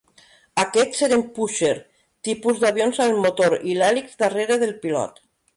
Aquests eren "Pusher" tipus d'avions amb el motor i l'hèlix darrere del pilot.